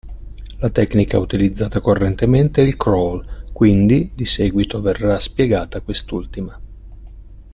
La tecnica utilizzata correntemente è il crawl, quindi di seguito verrà spiegata quest'ultima.